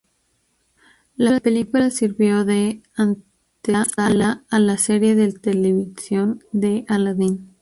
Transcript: La película sirvió de antesala a la serie de televisión de Aladdin.